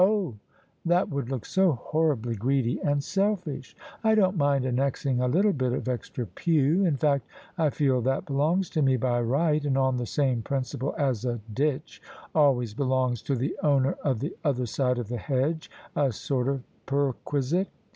" Oh ! that would look so horribly greedy and selfish ! I don't mind annexing a little bit of extra pew : in fact, I feel that belongs to me by right, on the same principle as a ditch always belongs to the owner of the other side of the hedge — a sort of perquisite.